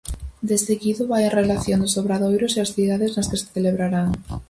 Deseguido, vai a relación dos obradoiros e as cidades nas que se celebrarán.